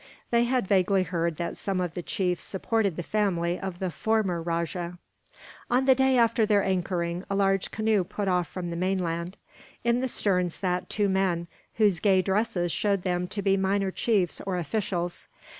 They had vaguely heard that some of the chiefs supported the family of the former rajah. On the day after their anchoring, a large canoe put off from the mainland. In the stern sat two men, whose gay dresses showed them to be minor chiefs or officials.